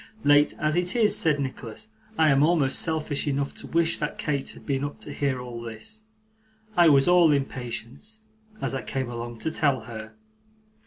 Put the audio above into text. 'Late as it is,' said Nicholas, 'I am almost selfish enough to wish that Kate had been up to hear all this. I was all impatience, as I came along, to tell her.